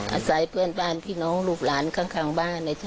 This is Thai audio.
อาศัยเพื่อนบ้านพี่น้องลูกหลานข้างบ้าน